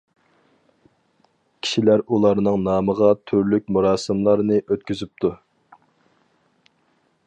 كىشىلەر ئۇلارنىڭ نامىغا تۈرلۈك مۇراسىملارنى ئۆتكۈزۈپتۇ.